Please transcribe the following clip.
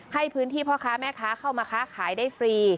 ให้พื้นที่พ่อค้าแม่ค้าเข้ามาค้าขายได้ฟรี